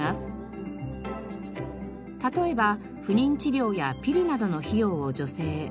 例えば不妊治療やピルなどの費用を助成。